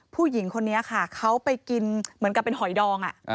ผู้หญิงคนนี้ค่ะเขาไปกินเหมือนกับเป็นหอยดอง